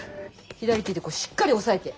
左手でこうしっかり押さえて。